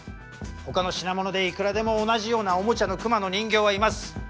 ほかの品物でいくらでも同じようなおもちゃの熊の人形はいます。